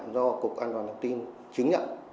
do cục an toàn thông tin chứng nhận